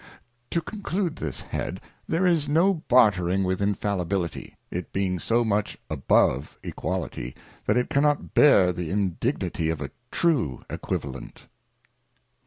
To conclude this Head, There is no bartering with Infallibility, it being so much above Equality, that it cannot bear the Indig nity of a true Equivalent.